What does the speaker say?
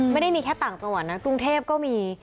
ไม่ได้มีแค่ต่างจังหวัดนะกรุงเทพก็มี